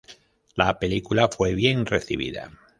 La película fue bien recibida.